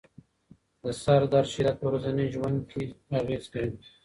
د سردرد شدت په ورځني ژوند اغېز کوي.